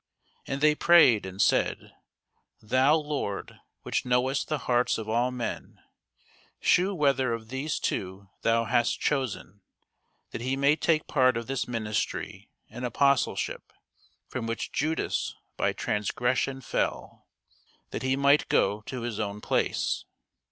And they prayed, and said, Thou, Lord, which knowest the hearts of all men, shew whether of these two thou hast chosen, that he may take part of this ministry and apostleship, from which Judas by transgression fell, that he might go to his own place.